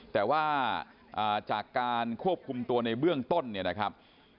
แต่ว่าจากการควบคุมตัวในเบื้องต้นเนี่ยนะครับ